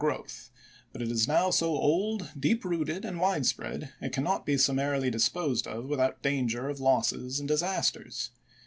growth, but is now so old, deep rooted, and widespread it cannot be summarily disposed of without danger of losses and disasters.